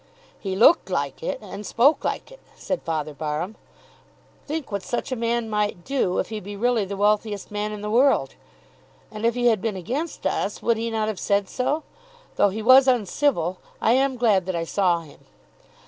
"He looked like it, and spoke like it," said Father Barham. "Think what such a man might do, if he be really the wealthiest man in the world! And if he had been against us would he not have said so? Though he was uncivil, I am glad that I saw him."